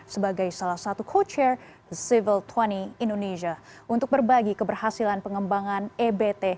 sebagai salah satu coacher civil dua puluh indonesia untuk berbagi keberhasilan pengembangan ebt